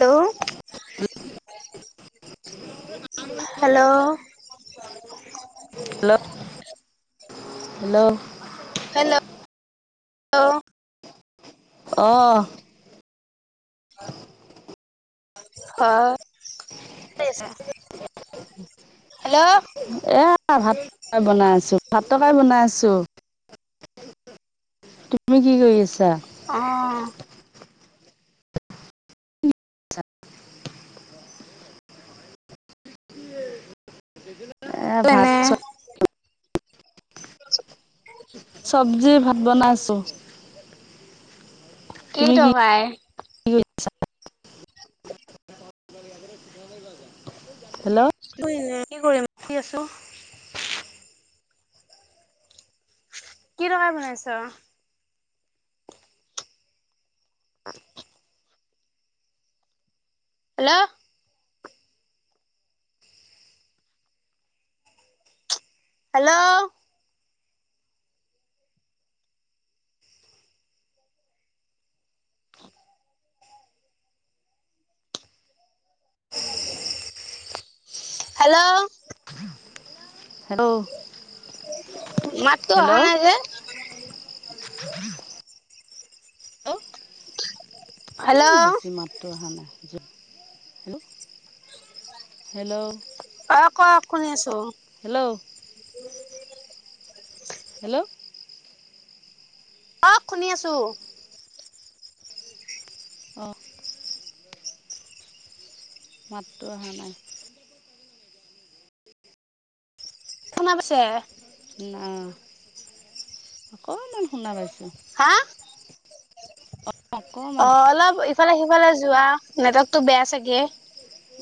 Hello hello. Hello. Hello. Hello hello. অঁ। হাঁ, কি কৰি আছে? হেল্লো'। এইয়া ভাত বনাই আছো, ভাত তৰকাৰী বনাই আছো। তুমি কি কৰি আছা? অঁ। এ ভাত তেনে চব [unintelligible] চব্জি ভাত বনাইছোঁ। কি তৰকাৰী? কি কৰি [unintelligible] [unintelligible] হেল্লো'। কি কৰি আছা? কি কৰিম বহি আছো। কি তৰকাৰি বনাইছ? [unintelligible] হেল্ল'। Hello hello. হেল্ল। মাতটো অহা হেল্ল' নাই যে? [unintelligible] হেল্ল' কিনো হৈছে মাতটো অহা নাই যে হেল্ল হেল্ল' অ কওক শুনি আছো। হেল্ল'। হেল্ল'। কওক শুনি আছো। অ। মাতটো অহা নাই। শুনা পাইছে? না অকণমান শুনা পাইছো। হা? অকণমান অ অলপ ইফালে সিফালে যোৱা নেটৱৰ্কটো বেয়া চাগে।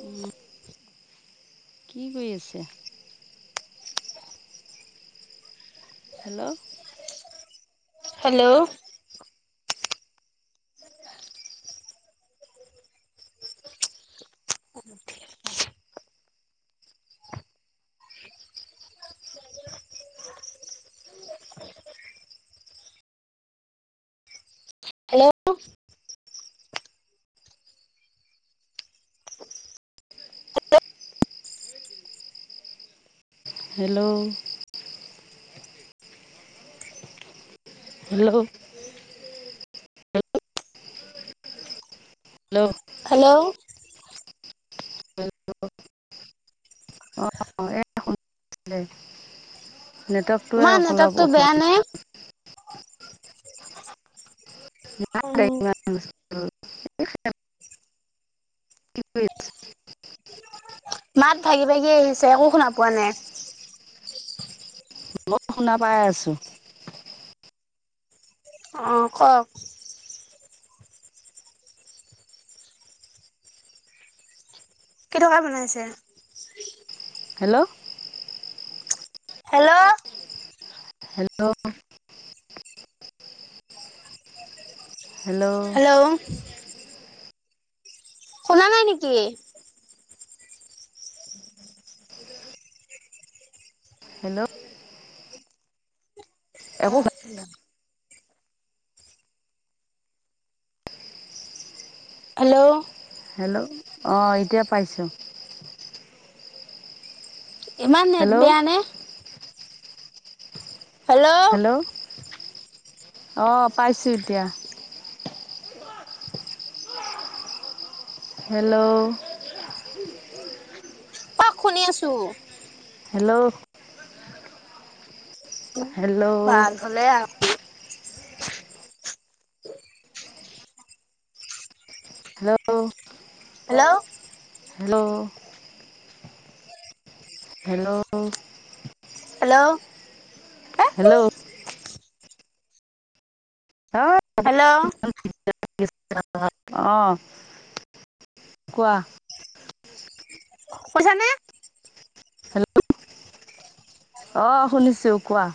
উম। কি কৰি আছে? Hello. Hello. Hello hello. Hello. Hello. Hello. Hello নেটৱৰ্কটোৱে ইমান অলপ নেটৱৰ্কটো অসু বেয়া নে? দেই। উম। কি [unintelligible] মাত ভাগি ভাগি আহিছে একো শুনা পোৱা নাই। মই শুনা পাই আছো। অ' কওঁক। [unintelligible] বনাইছে? হেল্ল'? হেল্ল'? হেল্ল। হেল্ল। শুনা নাই নেকি? হেল্ল'। একো [unintelligible] হেল্ল'। হেল্ল' অ এতিয়া পাইছো। ইমান নেট হেল্ল' বেয়া নে? হেল্ল' অ পাইছোঁ এতিয়া। হেল্ল' অ শুনি আছো। হেল্ল' উম, হেল্ল' ভাল হ'লে আও হেল্ল' হেল্ল' হেল্ল' হেল্ল' ল্ল হেল্ল' হেল্ল' [unintelligible] হেল্ল' [unintelligible] অ' কোৱা? কৈছা নে? হেল্ল' অ শুনিছোঁ কোৱা?